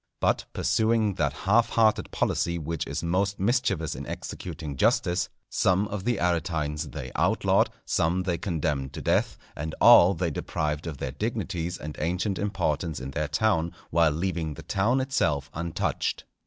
But pursuing that half hearted policy which is most mischievous in executing justice, some of the Aretines they outlawed, some they condemned to death, and all they deprived of their dignities and ancient importance in their town, while leaving the town itself untouched.